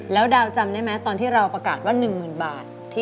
แล้วดาวจำได้ไหมตอนที่เราประกาศว่า๑๐๐๐บาท